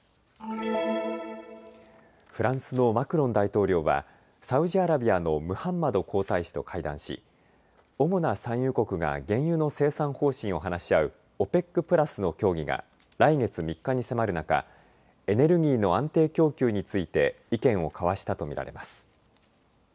フランスのマクロン大統領はサウジアラビアのムハンマド皇太子と会談し主な産油国が原油の生産方針を話し合うＯＰＥＣプラスの協議が来月３日に迫る中、エネルギーの安定供給について意見を交わしたと見られます。